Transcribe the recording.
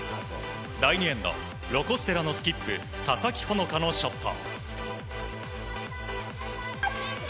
第２エンドロコ・ステラのスキップ佐々木穂香のショット。